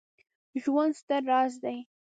ژوند ستر راز دی